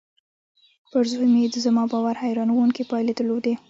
پر زوی مې زما باور حيرانوونکې پايلې درلودې.